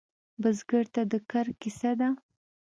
بزګر ته د کر کیسه ده